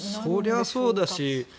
そりゃそうだし